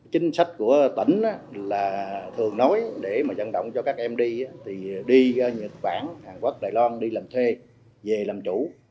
chính sách của tỉnh là thường nói để mà dẫn động cho các em đi thì đi nhật bản hàn quốc đài loan đi làm thuê về làm chủ